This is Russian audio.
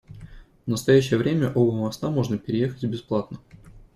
В настоящее время оба моста можно переехать бесплатно.